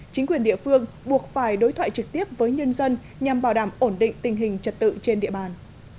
chính quyền địa phương buộc phải đối thoại trực tiếp với nhân dân nhằm bảo đảm ổn định tình hình trật tự trên địa bàn